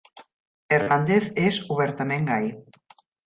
Hernandez és obertament gai.